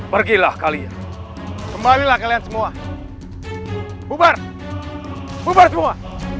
pergilah kalian kembalilah kalian semua bubar bubar semua